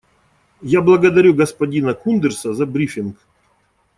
Я благодарю господина Кундерса за брифинг.